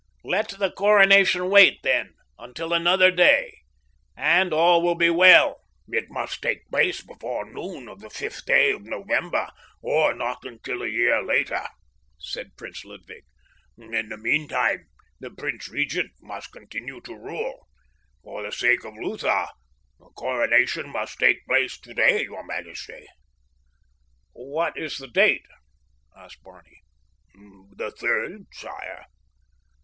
Let the coronation wait, then, until another day, and all will be well." "It must take place before noon of the fifth day of November, or not until a year later," said Prince Ludwig. "In the meantime the Prince Regent must continue to rule. For the sake of Lutha the coronation must take place today, your majesty." "What is the date?" asked Barney. "The third, sire."